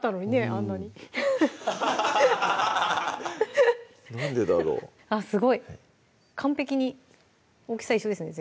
あんなになんでだろうあっすごい完璧に大きさ一緒ですね